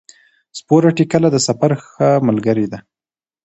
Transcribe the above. سپوره ټکله د سفر ښه ملګری دی.